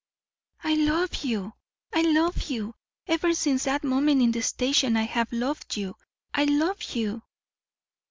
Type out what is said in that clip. "I love you! I love you! Ever since that moment in the station I have loved you! I love you!"